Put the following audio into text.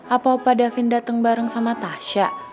apa opa davin dateng bareng sama tasya